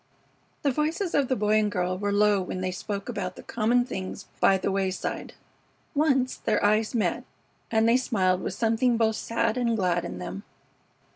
The voices of the Boy and girl were low when they spoke about the common things by the wayside. Once their eyes met, and they smiled with something both sad and glad in them.